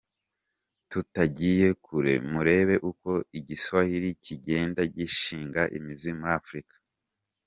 Tutagiye kure murebe uko Igiswahili kigenda gishinga imizi muri Afrika!.